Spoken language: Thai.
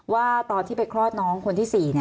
ว่าตอนที่ไปคลอดน้องคนที่๔